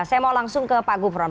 saya mau langsung ke pak gufron